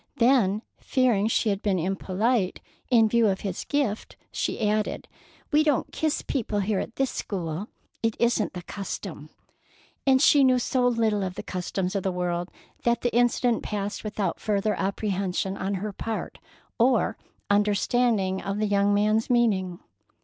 Then, fearing she had been impolite in view of his gift, she added: "We don't kiss people here at this school. It isn't the custom." And she knew so little of the customs of the world that the incident passed without further apprehension on her part, or understanding of the young man's meaning.